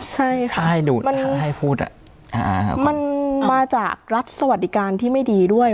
ใช่ค่ะมันมันมันมาจากรัฐสวัสดิการที่ไม่ดีด้วย